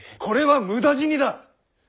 これは無駄死にだ。